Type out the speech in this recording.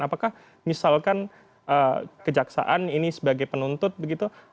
apakah misalkan kejaksaan ini sebagai penuntut begitu